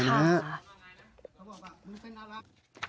เขาบอกว่ามันเป็นน่ารัก